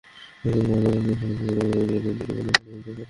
এদিন কামদা প্রসাদ সাহার নেতৃত্বে গঠিত মেডিকেল বোর্ড দ্বিতীয় ময়নাতদন্ত করে।